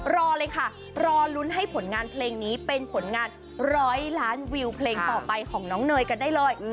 รอเลยค่ะรอลุ้นให้ผลงานเพลงนี้เป็นผลงาน๑๐๐ล้านวิวเพลงต่อไปของน้องเนยกันได้เลย